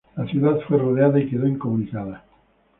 La ciudad fue rodeada y quedó incomunicada.